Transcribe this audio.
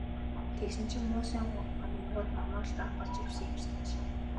Тэгсэн чинь муусайн гамингууд намайг л даапаалж явсан юм санж.